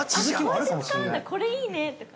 ◆こうやって使うんだ、これいいねとか。